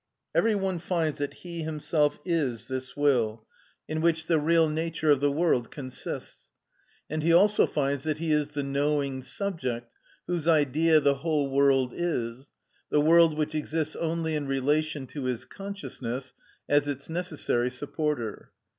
Every one finds that he himself is this will, in which the real nature of the world consists, and he also finds that he is the knowing subject, whose idea the whole world is, the world which exists only in relation to his consciousness, as its necessary supporter.